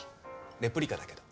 レプリカだけど。